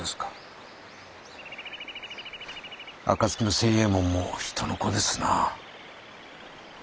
暁の星右衛門も人の子ですな。